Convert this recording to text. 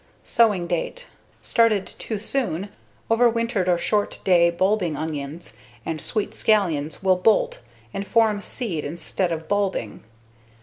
Sowing date: Started too soon, overwintered or short day bulbing onions (and sweet scallions) will bolt and form seed instead of bulbing.